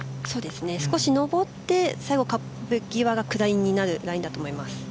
そうですね、少し上って最後下りになるラインだと思います。